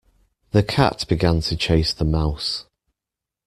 The cat began to chase the mouse.